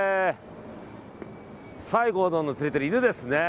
西郷どんが連れている犬です。